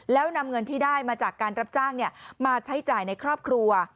แล้วนำเงินที่ได้มาจากการรับจ้างมาใช้จ่ายในครอบครัว